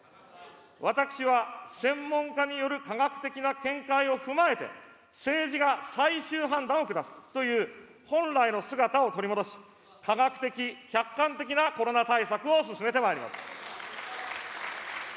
私は専門家による科学的な見解を踏まえて、政治が最終判断を下すという本来の姿を取り戻し、科学的・客観的なコロナ対策を進めてまいります。